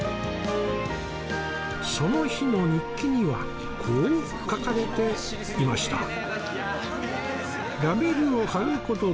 その日の日記にはこう書かれていました